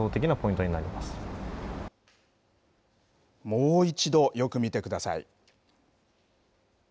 もう一度よく見てください。